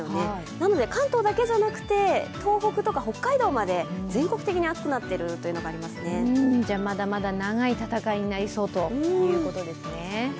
なので関東だけじゃなくて東北とか北海道まで全国的に暑くなっているというのがありますねじゃ、まだまだ長い闘いになりそうということですね。